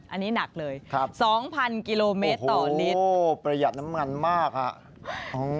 อันนี้หนักเลย๒๐๐๐กิโลเมตรต่อลิตรโอ้โหประหยัดน้ำมันมากค่ะโอ้โหยอด